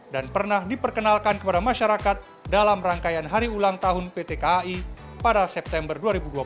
dan pernah diperkenalkan kepada masyarakat dalam rangkaian hari ulang tahun pt kai pada september dua ribu dua puluh dua